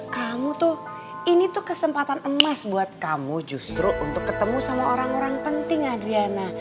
kamu tuh ini tuh kesempatan emas buat kamu justru untuk ketemu sama orang orang penting adriana